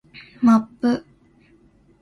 マップ